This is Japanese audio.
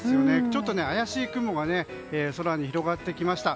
ちょっと怪しい雲が空に広がってきました。